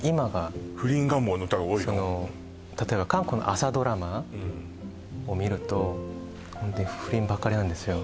例えば韓国の朝ドラマを見るとホントに不倫ばっかりなんですよ